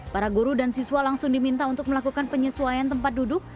para guru dan siswa langsung diminta untuk melakukan penyesuaian tempat duduk